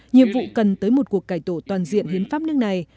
nhiệm vụ cần tới một cuộc cải tổ toàn diện hiến pháp nước này